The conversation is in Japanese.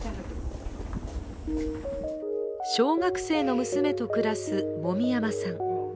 小学生の娘と暮らす籾山さん。